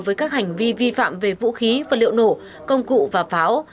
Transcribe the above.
với các hành vi vi phạm về vũ khí vật liệu nổ công cụ và pháo